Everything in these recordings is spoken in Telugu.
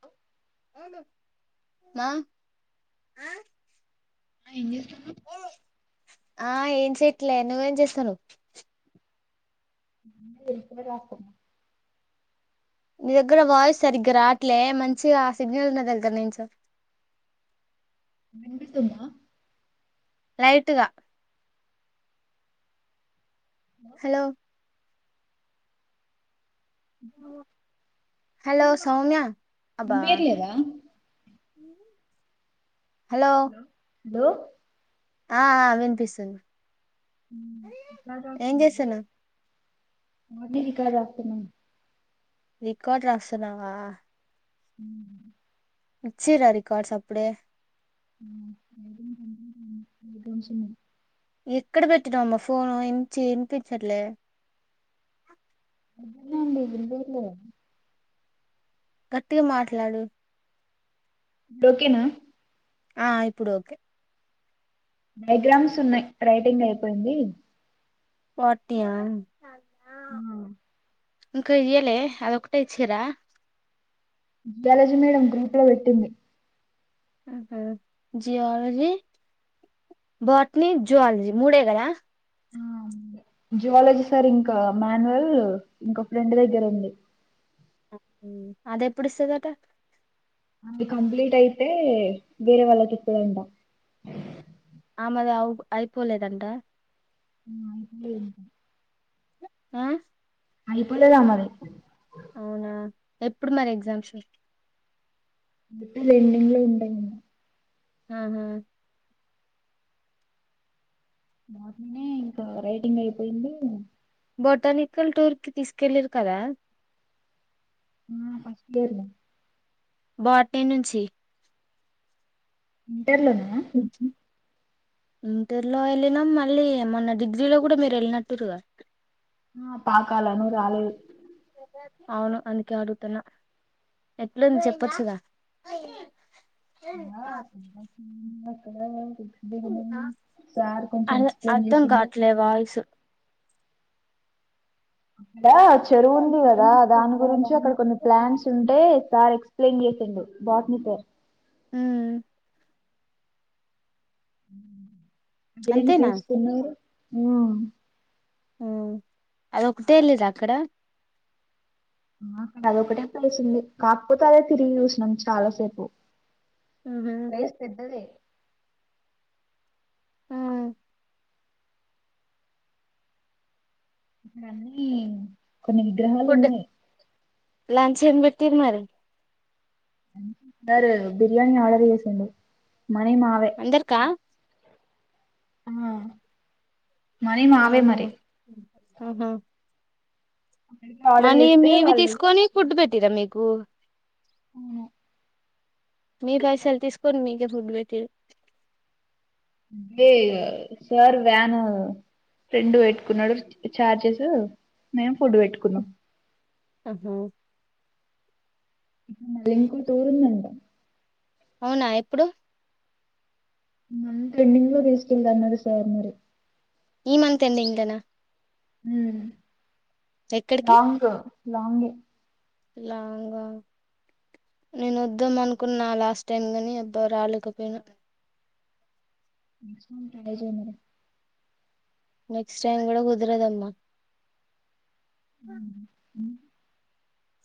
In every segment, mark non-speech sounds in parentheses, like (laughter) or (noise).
హ ఆ ఆ ఏం చేస్తున్నావ్ ఆ ఏం చెయట్లే నువ్వేం చేస్తాను అ ఎ రాసన్నా నీ దగ్గర వాయిస్ సరిగ్గర అట్లే మంచిగా ఆ సిగ్నల్ నా దగ్గర నేను స వెళుతున్నా లైటుగా హలో! ఇ (inaudible) హలో! సౌమ్యా ఇంకేటి లేదా హలో! హలో! ఆ ఆ వినిపిస్తుంది. ఎట్లా చస్తు ఏం (unintelligible) చేస్తున్నావ్ మళ్ళీ ఇక్కడకదాక్కున్నా రికార్డ్ రాస్తున్నావా? మ్ ఇచ్చిరా రికార్డ్స్ అప్పుడే. ఐం చి (inaudible) ఎక్కడ పెట్టవమ్మా ఫోను ఎ వినిపించట్లే అ ఉడి ఇలో (unintelligible) గట్టిగా మాట్లాడు ఇప్పుడు ఓకేనా. ఆ ఇప్పుడు ఓకే డయాగ్రామ్స్ ఉన్నాయి. రైటింగ్ అయిపోయింది. పాఠ్యం ఆ ఇంకా ఇయలే అది ఒకటే ఇచ్చారా? జియాలజీ మేడం గ్రూప్ లో పెట్టింది. జియాలజి బాట్ని, జువాలాజీ మూడే గదా జువాలజీ సార్ ఇంకా మాన్యువల్ ఇంకా ఫ్రెండ్ దగ్గర ఉంది. అది ఎప్పుడు ఇస్తాదటా అది కంప్లీట్ అయితే వేరే వాళ్ళకి ఇస్తుందంట. ఆమెది అయిపోలేదంట అది (unintelligible) ఉ అయిపోలేదా మరి అవునా ఎప్పుడు మరి ఎగ్జామ్స్ మీకు ఆ ఎండింగ్ లో ఉన్నానేను. ఉ హూ మార్నింగే ఇంకా రైటింగ్ అయిపోయింది. బొటానికల్ టూర్ కి తీసుకెళ్లిరు కదా. ఆ ఫస్టియర్ బాట్ని నుంచి ఇంటర్లోనా ఇంటర్లో వెళ్ళినాం మళ్ళీ మొన్న డిగ్రీలో కూడా మీరు వెళ్ళినట్టురుగా ఆ పాకాల నువ్వు రాలేదు. అవును అందుకే అడుగుతున్నా ఎట్లంది చెప్పొచ్చుగదా. (inaudible) బిగినింగ్ సార్ కొంచెం అర్ ఎక్స్ప్లైన్ అర్థం చేసిండు. కావట్లే వాయిస్ అక్కడ చెరువు ఉంది కదా, దాని గురించి అక్కడ కొన్ని ప్లాన్స్ ఉంటే సార్ ఎక్స్ ప్లన్ చేసిండు బాట్ని సార్ ఊ ఏవరైనా అంతేనా తీసుకున్నార ఆ ఊ అదొకటే ఎలీడ్రా అక్కడ ఆ అక్కడ అదొటే కలిసింది కాకపోతే అదే తిరిగి చూసినం చాలాసేపు ఉహు ప్లేస్ పెద్దద్దే ఆ ఇక్కడ అన్నీ కొన్ని విగ్రహాలు ఫుడ్ ఉన్నాయి లంచ్ ఏం పెటిర్ మరి సారు బిర్యానీ ఆర్డర్ చేసిండు మనీ మావే అందరికా ఆ మనీ మావే అవునా మరి ఆహా అక్కడికి ఆర్డర్ మనీ చేస్తే మీవి వాళ్ళు తీసుకొని ఫుడ్ పెట్టిరా మీకు ఊ మీ పైసలు తీసుకోని మీకే ఫుట్ పెట్టి ఏ సార్ వ్యాన్ ఫ్రెండ్ పెట్టుకున్నాడు చార్జెస్ మేము ఫుడ్ పెట్టుకున్నాం ఆహా ఊహు అది ఇంకో టూరందంట అవునా ఎప్పుడు మంత్ ఎండింగ్ లో తీసుకెళ్లారు సార్ మరి ఇ మంత్ ఎండింగ్ ల నా ఊ లాలాంగ్ లాంగ్ ఏ లాంగా నేను వద్దాం అనుకున్నా లాస్ట్ టైమ్ గని అబ్బ రాలకపోయినా మంచిగుంటే అటజనిగ నెక్స్ట్ టైమ్ కూడా కుదురదమ్మా ఊ హూ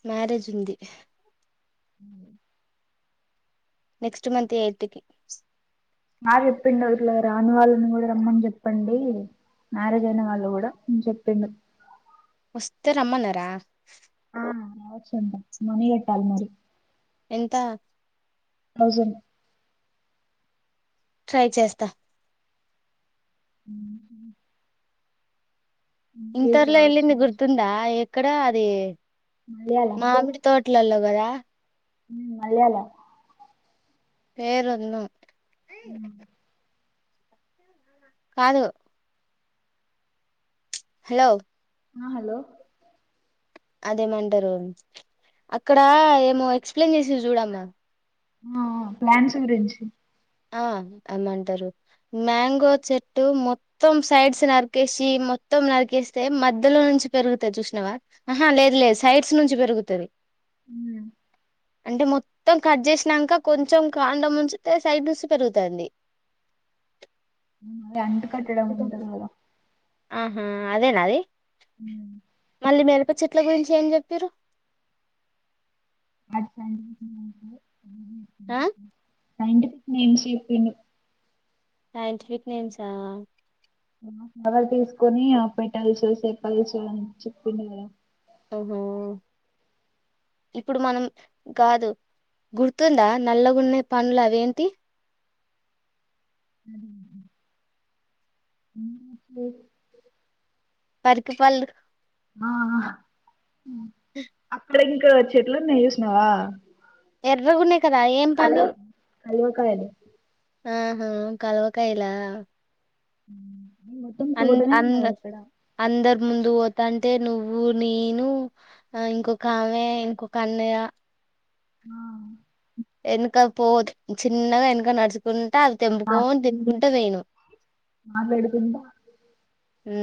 మ్యారేజ్ ఉంది ఆ నెక్స్ట్ మంత్ ఎయిత్కి మ చెప్పిండు ఇట్లా రాని వాళ్ళని కూడా రమ్మని చెప్పండి మ్యారేజ్ అయినా వాళ్ళు కూడా ఉ చెప్పిండు వస్తె రమ్మనరా ముందు చెప్పాలి మరి ఎంత థౌసండ్ ట్రై చేస్తా ఊహు ఇంటర్ల రావచ్చు వెళ్ళింది గుర్తుందా ఇక్కడ అది మలయాళ మామిడి తోటలలో పద ఊ మల్యాల పేరన్న ఉ కాదు హలో ఆ హలో అదేమంటరు అక్కడ ఏమో ఎక్స్ప్లెయిన్ చేసి చూడమ్మా ఆ ప్లాన్స్ గురించి ఆ అమ్మంటారు మ్యాంగో చెట్టు మొత్తం సైడ్స్ నరికేసి మొ మొత్తం నరికేస్తే మధ్యలో నుంచి పెరుగుతది చూసిన వా ఆహ లేదు లేదు సైడ్స్ నుంచి పెరుగుతది హ అంటే మొత్తం కట్ చేసినాక కొంచెం కాండ ముంచితే సైడ్ చూసి పెరుగుతాడి మ అంట కట్టడం ఉంటద ఆహా అదేనా అది ఉ మళ్ళీ మిరప చెట్ల గురించి ఏం చెప్తారు అ ఆ అయింట ప ఏను స్వీడు సైంటిఫిక్ నేమ్సా ఫవర్ తీసుకొని ఆ పెట్టల్చు చెేప్పలుచు అని చెప్పండారు ఆఓహో ఇప్పుడు మనం కాదు గుర్తుందా నల్లగున్న పనులు అవేంటి అది పరికి పల్ ఆ అక్కడ ఇంక చెట్లు ఉన్నాయి చూసినవా ఎర గునే కలవ కలివకాయనే ఆహా కాల్వ కాయల ఉ అ అంద అందరు ముందు పోతాంటే నువ్వు నేను ఇంకొక ఆమె ఇంకొక అన్నయ్య ఆ వెనక పో చిన్నగా వెనక నడుచుకుంటే అది తెింపుకోని తినుకుంటే పోయినం మాట్లాడుతుంద హ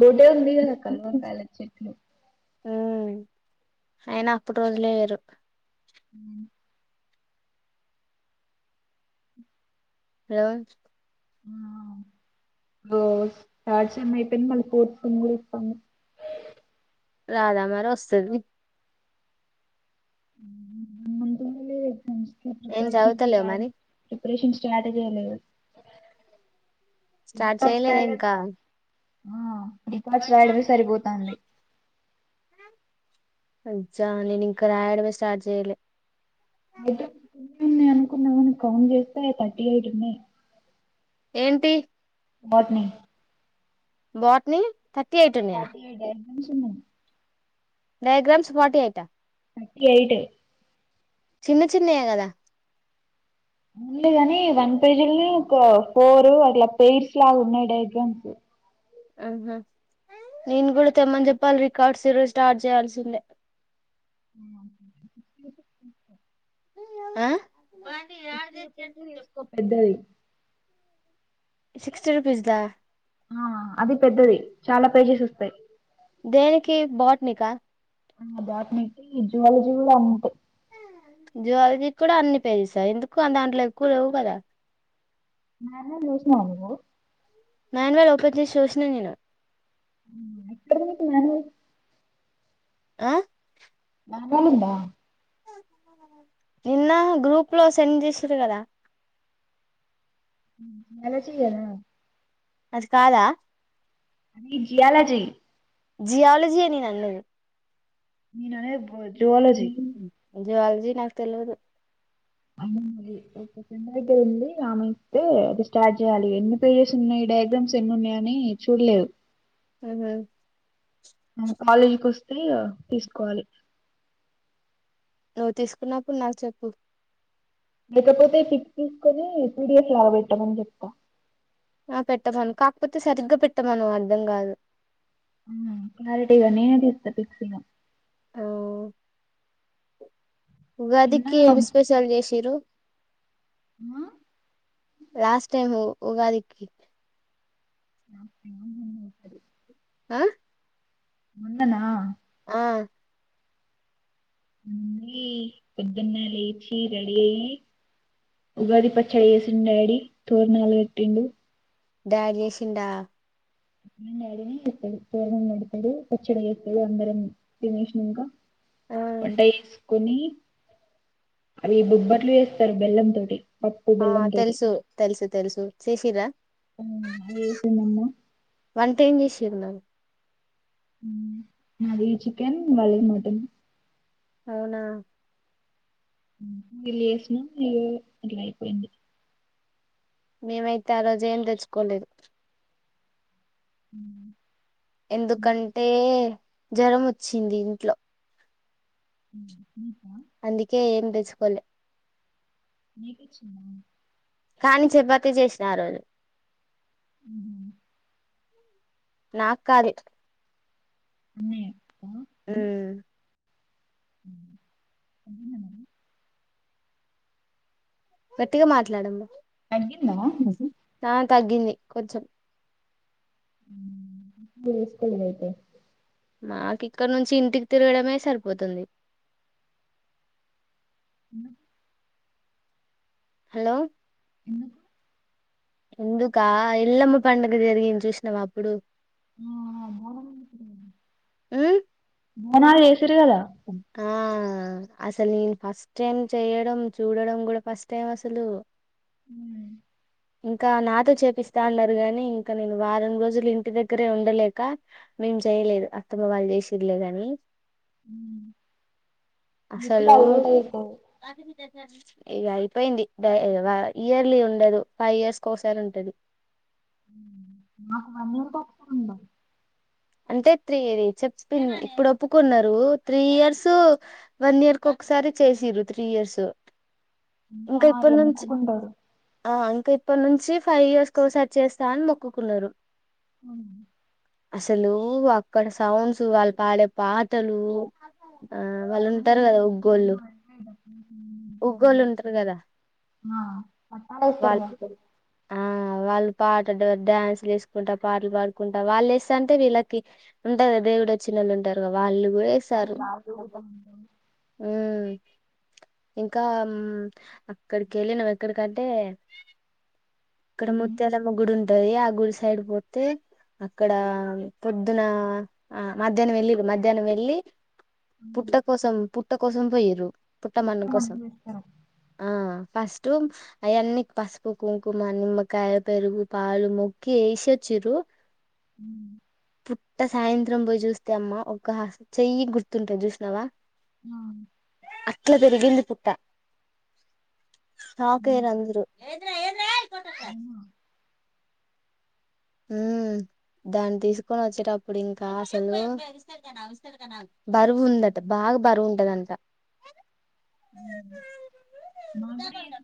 గోడే ఉంది కద స కలుకాయాల చె ఇట్లు ఉ అయినా అప్పుటి రోజులే వేరు అ హలో ఆ ఓ తాచ అమ్మయిపని మళ పతు కూడా ఇస్తా రాదా మరి వస్తుది ము ఫ్రెండ్స్ క ఏం ప్రిపరేషన్ చదువుతలేవ స్టార్ మరి ేన్ స్టాటాల స్టార్ట్ చేయలేదా ఇంకా ఆ రకాార్స్ రాయడమే సరిపోతుంది అజా నను క రాయడమ స్టార్ట్ చేయలే న్నాయి అనుకున్నాము కౌంట్ చేస్తే థర్టీ ఎయిట్ ఉన్నాయి ఏంటి వాట్ని బత్ని థర్టీ ఎయిట్ ఉనియా అ సన్నా diagrams forty eight thirty eight చిన్న చిన్నయ కదా ఉందుంది గాని వన్ పేజీని ఒక ఫోర్ అట్లా పయిర్స్ లాగా ఉన్నాయి డయాగ్రామ్స్ ఆహా నేను కూడా తెమ్మని చెప్పాలి రికార్డ్స్రో స్టార్ట్ చేయాల్సిందే ఆ సిక్స్టీ రూపీస్ తీసుకో పెద్దది సిక్స్టీ రుపీస్ దా ఆ అది పెద్దది చాలా పేజెస్ వస్తాయి దేనినికి బాట్ని కా జువాలజీవి అంట జూలోహోగికూడా అన్ని పేజసా ఎందుకు దాంట్లో ఎక్కువ లేవు కదా (unintelligible) మాన్యువల్ ఓపెన్ చూసిన నేను ఎక్కడ మకి మ ఆ (unintelligible) నిన్న గ్రూప్ లో సెండ్ చేసారు కదా (unintelligible) అది కాదా అ ఈ జియాాలజ జిాలజీ అని నన్నదు మీనానే జవాలజీ జల్జీ నాకు తెలీదు అ దగ్గర ఉంది ఆమె ఇస్తే అది స్టార్ట్ చేయాలి ఎన్ని పేజెస్ ఉన్నాయి వాకన్సీ ఉన్నాయ అని చూడలేదు హ కాలేజీకి వస్తే తీసుకోవాలి నువ్వు తీసుకున్నప్పుడు నాకు చెప్పు లేకపోతే ఫిక్స్ తీసుకొని ట్రూ డియర్స్ లాగా పెట్టామని చెప్తా ఆ పెట్టమను కాకపోతే సరిగ్గా పెట్టమనుఅర్ధం కాదు క్లారిటీగా నే తీస్త ఉగాది నిన్న ఆ! స్పషల్ చేసిరు నాకు లాస్ట్ టైం ఉగాదికి ఆస్తరి ఆ మున్ననా ఆ అ కొద్దున్న లేయిచీ రెలియి ఉగాది పచ్చడి వేసిండు డాడీ తోరణాలుగట్టిండు డాడీ చేసిందా డాడీని ఎస్తాడు పెడతాడు పచ్చడి ఎస్తాడు అందరం తినేష్ని ఇంకా ఆ (unintelligible) కుని అవి బుబ్బట్లు చేశారు బెల్లం తోటి పప్పు ఆ బెల్లం తోటి తెలుసు తెలుసు తెలుసు చేసీరా చేసిండ్రు వంట ఆమె చేసింది అది చికెన్ వాళ మటన్ అవునా వళ్ళ చేసినా ఇట్లా అయిపోయింది మేమైతే ఆ రోజు ఏం తెచ్చుకోలేదు అ ఎందుకంటే జరం ఒచ్చింది ఇంట్లో నీకా అందుకే ఏం తెచ్చుకోలే నీకొచ్చిందా కాని చపాతి చేసిన ఆ రోజు ఉహు నా కాదు అన్నయ్య కా? ఊమ్ (inaudible) గట్టిగ మాట్లాడండి తగ్గిందా ఆ తగ్గింది కొంచెం (inaudible) తీసుకోలేదు అయితే నాకు ఇక్కన్నుంచి ఇంటికి తిరగడమే సరిపోతుంది ఎందుకు హలో ఎందుకు ఎందుకా ఎల్లమ్మ పండుగ జరిగింది చూశ్నావా అప్పుడు బోనాలు చేసిరు గద ఉమ్ ఆ అసలు నేను ఫస్ట్ టైం చేయడం చూడడం గూడా ఫస్ట్ టైం అసలు హూ ఇంకా నాతో చేపిస్తా అన్నారు గాని, ఇంక నేను వారం రోజులు ఇంటి దగ్గరే ఉండలేక. మేం చేయలేదు అత్తమ్మ వాళ్ చేసిర్లేదని నీకూడా అసలు అలవాటు అయిపోవు ఇగ అయిపోయింది డ వ ఇయర్లీ ఉండదు ఫైవ్ ఇయర్స్ కోసారి ఉంటది ఊ మాకు వన్ ఇయర్ (unintelligible) అంటే త్రీది చెప్పిన్ ఇప్పుడు ఒప్పుకున్నారు త్రీ ఇయర్స్ వన్ ఇయర్ కు సారి చేసిరు త్రీ ఇయర్స్ ఇంక ఆ అట్లా ఇప్పన్నుంచి మొక్కుకుంటారు ఆయ్ కిప్పన్నుంచి ఫైవ్ ఇయర్స్ కోసార్ చేస్తా అని మొక్కుకున్నరు ఆహ సలూ అక్కడ సౌండ్స్ వాళ్ పాడే పాటలూ (inaudible) ఎలమ్మ (inaudible) ఉగ్గోళ్ళు ఉంటారు గదా ఆ పట్టాలు వాళ్ వేస్తారుగా ఆ వాళ్ళు పాటడ డ్యాన్స్లు చేసుకుంట, పాటలు పాడుకుంట, వాళ్ళు ఏస్త అంటే వీళ్ళకి ఉంటందిగ దే. దేవుడొచ్చిన్నోలు ఉంటారుగా వాళ్ళు అవి వేసారు రాళ్ళు ఊగుతా ఊ ఇంకా అమ అక్కడికి ఎళ్ళినం ఎక్కడికంటే ఇక్కడ ఉంటాయి ముత్యాలమ్మ గుడి ఉంటది ఆ గుడి సైడ్ పోతే అక్కడా పొద్దునా ఆ మధ్యాహ్నం వెళ్ళిరు మధ్యాహ్నం వెళ్ళి పుట్ట కోసం పుట్ట కోసం పొయిర్రు పుట్ట మన్ను కోసం మంచిగా చేస్తారు ఆ ఫస్ట్ అయన్ని పసుపు, కుంకుమ, నిమ్మకాయ, పెరుగు, పాలు, మొక్కి ఏసొచ్చి. చిరు ఊ పుట్ట సాయంత్రం పోయి చూస్తే అమ్మా ఒక హా చెయ్యి గుర్తుంటది చూసినవా ఆ అట్ల బెరిగింది పుట్ట సాక్ అయరు అందరు అవునా ఊ దాన్ తీసుకొని ఒచ్చేటప్పుడు ఇంకా అసలూ బరువు ఉందట బా బరువు ఉంటదంట ఉమ్ మాగూడ ఏం